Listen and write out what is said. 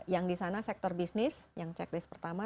yang di sana sektor bisnis yang checklist pertama